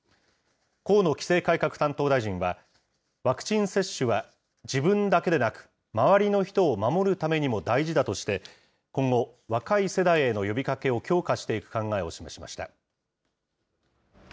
河野規制改革担当大臣は、ワクチン接種は自分だけでなく、周りの人を守るためにも大事だとして、今後、若い世代への呼びかけを強化していく考えを示しました。